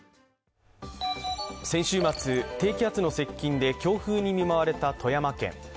先週末、低気圧の接近で強風に見舞われた富山県。